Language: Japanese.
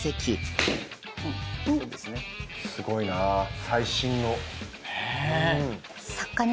すごいな最新の。